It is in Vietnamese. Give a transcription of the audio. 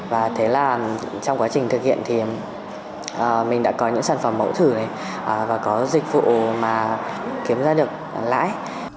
và thế là trong quá trình thực hiện thì mình đã có những sản phẩm mẫu thử này và có dịch vụ mà kiếm ra được lãi